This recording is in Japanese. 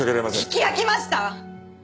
聞き飽きました！